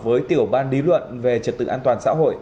với tiểu ban lý luận về trật tự an toàn xã hội